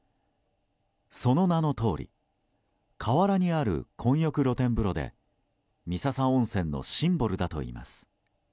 その名のとおり河原にある混浴露天風呂で三朝温泉のシンボルだといいます。